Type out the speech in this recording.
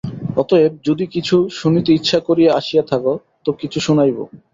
অতএব যদি কিছু শুনিতে ইচ্ছা করিয়া আসিয়া থাক তো কিছু শুনাইব।